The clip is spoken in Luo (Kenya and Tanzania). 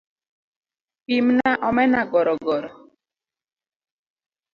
pimna omena gorogoro